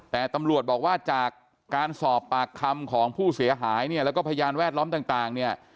แต่ตำรวจบอกว่าจากการสอบปากคำของผู้เสียหายเนี่ยแล้วก็พยานแวดล้อมต่างเนี่ย